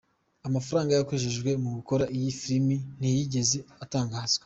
Amafaranga yakoreshejwe mu gukora iyi filime ntiyigeze atangazwa.